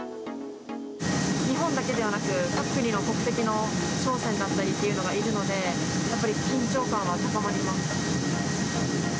日本だけではなく、各国の国籍の商船だったりっていうのがいるので、やっぱり、緊張感は高まります。